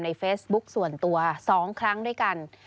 เฟซบุ๊กส่วนตัว๒ครั้งด้วยกัน